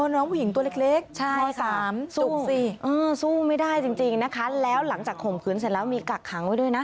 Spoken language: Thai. น้องผู้หญิงตัวเล็กม๓ศุกร์สิสู้ไม่ได้จริงนะคะแล้วหลังจากข่มขืนเสร็จแล้วมีกักขังไว้ด้วยนะ